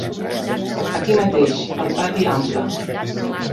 Aquí mateix, al pati Ample.